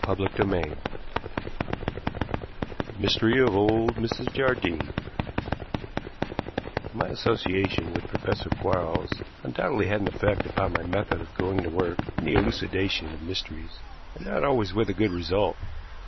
CHAPTER VI THE MYSTERY OF "OLD MRS JARDINE" My association with Professor Quarles undoubtedly had an effect upon my method of going to work in the elucidation of mysteries, and not always with a good result.